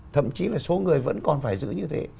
thậm chí là số người vẫn còn phải giữ như thế